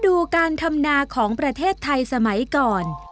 ดูการทำนาของประเทศไทยสมัยก่อน